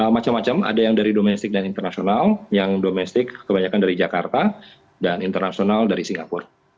macam macam ada yang dari domestik dan internasional yang domestik kebanyakan dari jakarta dan internasional dari singapura